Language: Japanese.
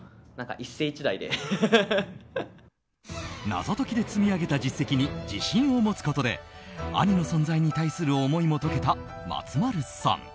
謎解きで積み上げた実績に自信を持つことで兄の存在に対する思いも解けた松丸さん。